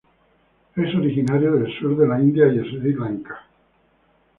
Es originario del sur de la India y Sri Lanka.